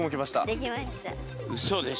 できました。